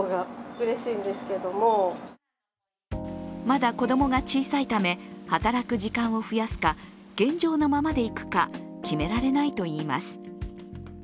まだ子供が小さいため働く時間を増やすか現状のままでいくか、決められないといいます。